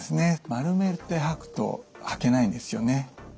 丸めて履くと履けないんですよね。